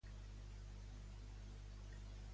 En què la va convertir Hades?